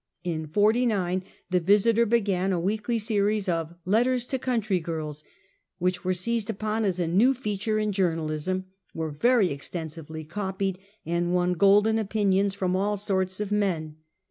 In '49, the Visiter began a weekly series of " Letters to Country Girls," which were seized upon as a new feature in journalism, were very extensively copied, and won golden opinions from all sorts of men.